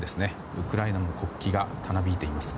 ウクライナの国旗がたなびいています。